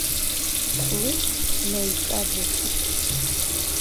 Лыхьӡ наиҿаӡыҭит.